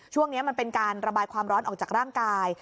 มันเป็นการระบายความร้อนออกจากร่างกาย